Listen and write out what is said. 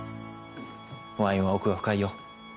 ワインは奥が深いよ。